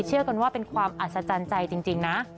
เชื่อกันว่าเป็นความอัศจรรย์ใจจริงนะ